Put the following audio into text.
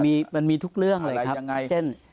มันมีทุกเรื่องเลยครับเช่น